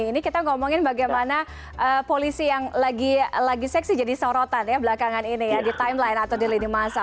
ini kita ngomongin bagaimana polisi yang lagi seksi jadi sorotan ya belakangan ini ya di timeline atau di lini masa